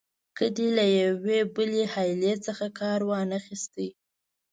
که دې له یوې بلې حیلې څخه کار وانه خیست.